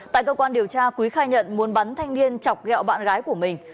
tại cơ quan điều tra quý khai nhận muốn bắn thanh niên chọc gẹo bạn gái của mình